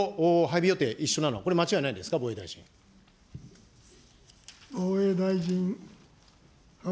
これ、３つ年度配備予定、一緒なの、これ、間違いないですか、防衛大臣。